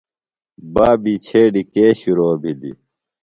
بابی چھیڈیۡ کے شِرو بِھلیۡ؟